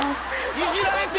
イジられてる！